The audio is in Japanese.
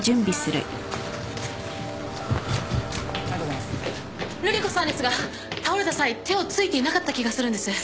・るり子さんですが倒れた際手をついていなかった気がするんです。